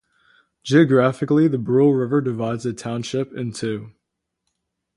Geographically, the Brule River divides the township in two.